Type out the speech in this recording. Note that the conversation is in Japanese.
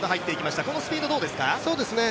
このスピードどうですか？